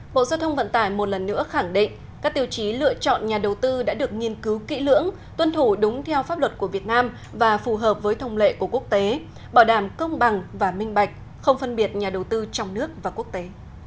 bộ giao thông vận tải một lần nữa khẳng định các tiêu chí lựa chọn nhà đầu tư đã được nghiên cứu kỹ lưỡng tuân thủ đúng theo pháp luật của việt nam và phù hợp với thông lệ của quốc tế bảo đảm công bằng và minh bạch không phân biệt nhà đầu tư trong nước và quốc tế